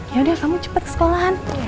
yaudah kamu cepet sekolahan